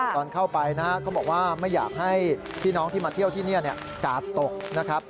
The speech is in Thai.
ตอนเข้าไปนะฮะก็บอกว่าไม่อยากให้พี่น้องที่มาเที่ยวที่นี่กาดตกนะครับ